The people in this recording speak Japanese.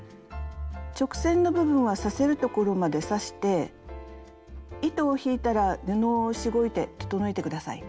直線の部分は刺せる所まで刺して糸を引いたら布をしごいて整えて下さい。